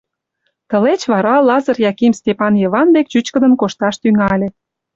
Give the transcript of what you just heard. Тылеч вара Лазыр Яким Стапан Йыван дек чӱчкыдын кошташ тӱҥале.